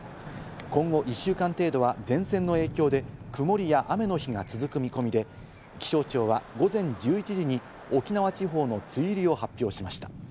今後１週間程度は前線の影響で曇りや雨の日が続く見込みで、気象庁は午前１１時に沖縄地方の梅雨入りを発表しました。